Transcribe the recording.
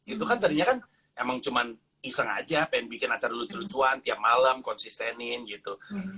itu kan tadinya kan emang cuman iseng aja pengen bikin acara lucu lucuan tiap malam konsistenin gitu